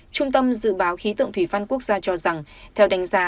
trung tâm dự báo khí tượng thủy văn quốc gia cho rằng theo đánh giá